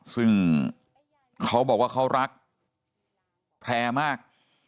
ซึ่งเขาบอกว่าเขารักแพร่มาก